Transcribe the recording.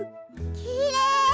きれい！